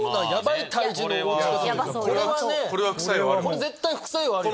これ絶対副作用あるよ。